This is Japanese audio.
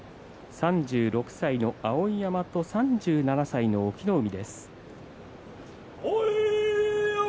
３６歳の碧山と３７歳の隠岐の海。